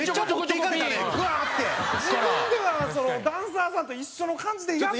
自分ではダンサーさんと一緒の感じで。